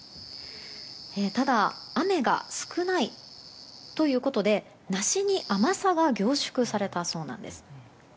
ただ、雨が少ないということで梨に甘さが凝縮されたそうなんです。